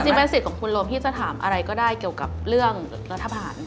ซึ่งเป็นสิทธิ์ของคุณลมที่จะทำอะไรก็ได้เกี่ยวกับเรื่องรัฐพาหาร